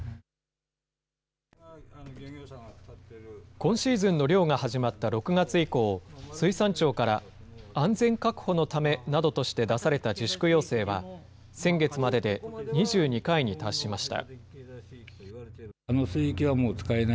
今シーズンの漁が始まった６月以降、水産庁から安全確保のためなどとして、出された自粛要請は、先月までで２２回に達しました。